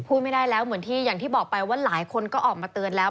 พูดไม่ได้แล้วเหมือนที่อย่างที่บอกไปว่าหลายคนก็ออกมาเตือนแล้ว